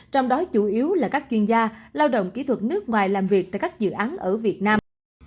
trong đó chủ yếu là các chuyên gia lao động kỹ thuật nước ngoài làm việc tại các dự án ở việt nam